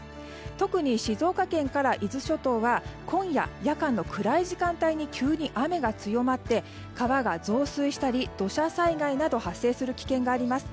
特に静岡県から伊豆諸島は今夜夜間の暗い時間帯に急に雨が強まって川が増水したり土砂災害などが発生する危険があります。